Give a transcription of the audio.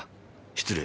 失礼。